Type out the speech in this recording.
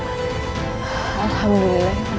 dan raka mualang sumsang